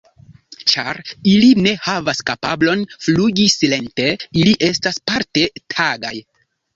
Ĉar ili ne havas kapablon flugi silente, ili estas parte tagaj.